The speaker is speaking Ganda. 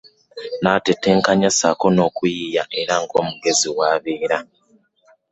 Natetenkanya ssaako okuyiiya era ng'omugezi bw'abeera.